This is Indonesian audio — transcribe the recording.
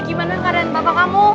gimana keadaan bapak kamu